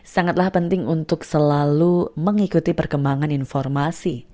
sangatlah penting untuk selalu mengikuti perkembangan informasi